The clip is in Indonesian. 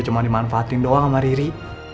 cuma dimanfaatin doang sama riri